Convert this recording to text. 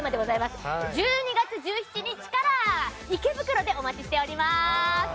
１２月１７日から池袋でお待ちしております！